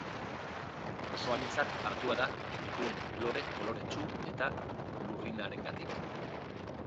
Oso aintzat hartua da dituen lore koloretsu eta lurrinarengatik.